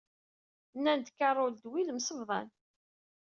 Nnan-d Carol d Will msebḍan.